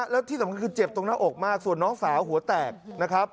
แล้วที่สำคัญคือเจ็บตรงหน้าอกมากส่วนน้องสาวหัวแตกนะครับ